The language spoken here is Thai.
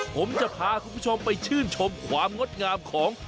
ผมจะพาคุณผู้ชมไปชื่นชมความงดงามของ